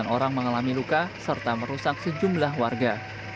sembilan orang mengalami luka serta merusak sejumlah warga